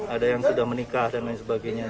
ada yang sudah menikah dan lain sebagainya